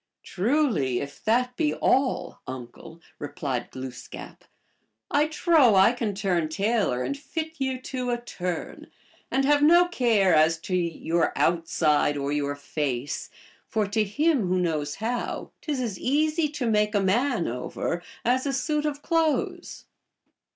" Truly, if that be all, uncle," re plied Glooskap, " I trow I can turn tailor and fit you GLOOSKAP THE DIVINITY. 53 to a turn ; and have no care as to your outside or your face, for to him who knows how, t is as easy to make a man over as a suit of clothes."